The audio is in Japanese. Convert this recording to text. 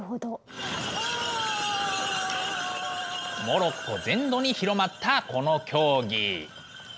モロッコ全土に広まったこの競技。